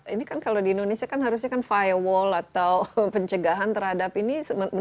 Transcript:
ini kan kalau di indonesia kan harusnya kan firewall atau pencegahan terhadap ini